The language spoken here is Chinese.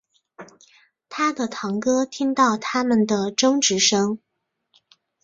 他的堂哥听到他们的争执声